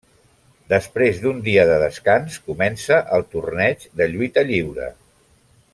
Després d'un dia de descans comença el torneig de lluita lliure.